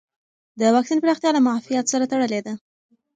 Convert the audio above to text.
د واکسین پراختیا له معافیت سره تړلې ده.